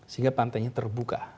sehingga pantainya terbuka